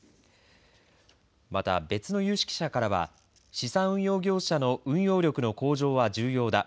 また、別の有識者からは資産運用業者の運用力の向上は重要だ。